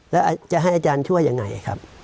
แล้วจะให้อาจารย์ช่วยยังไงครับ